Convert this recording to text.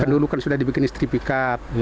dulu kan sudah dibikin sertifikat